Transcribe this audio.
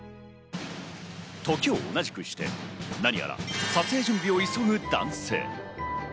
時を同じくして、なにやら撮影準備を急ぐ男性。